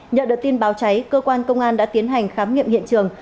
nhận được tin báo cháy cơ quan công an đã tiến hành khám nghiệm hiện trường